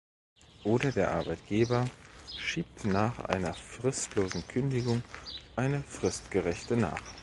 Oder der Arbeitgeber schiebt nach einer fristlosen Kündigung eine fristgerechte nach.